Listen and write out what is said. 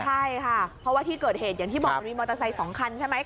ใช่ค่ะเพราะว่าที่เกิดเหตุอย่างที่บอกมันมีมอเตอร์ไซค์๒คันใช่ไหม